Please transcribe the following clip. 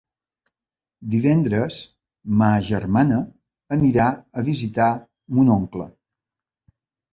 Divendres ma germana anirà a visitar mon oncle.